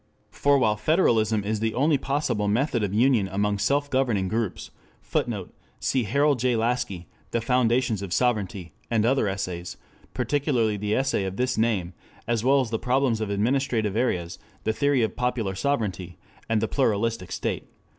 For while federalism is the only possible method of union among self governing groups, [Footnote: Cf. H. J. Laski, The Foundations of Sovereignty, and other Essays, particularly the Essay of this name, as well as the Problems of Administrative Areas, The Theory of Popular Sovereignty, and The Pluralistic State.